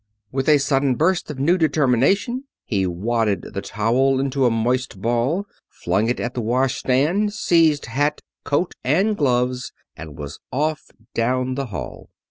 With a sudden burst of new determination he wadded the towel into a moist ball, flung it at the washstand, seized hat, coat, and gloves, and was off down the hall.